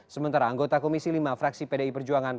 sementara anggota komisi lima fraksi pdi perjuangan